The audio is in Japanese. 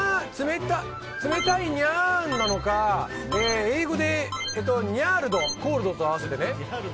つめたいにゃんなのか英語でニャールドコールドと合わせて。